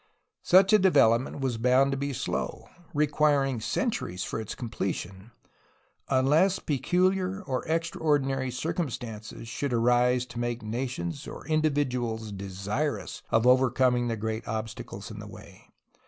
Such a development was bound to be slow, requiring centuries for its completion, unless peculiar or extraordinary circum stances should arise to make nations or individuals desirous of overcoming the great obstacles in the way.